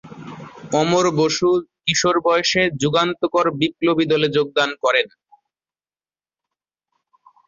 অমর বসু কিশোর বয়সে যুগান্তর বিপ্লবী দলে যোগদান করেন।